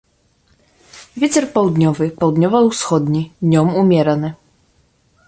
Вецер паўднёвы, паўднёва-ўсходні, днём умераны.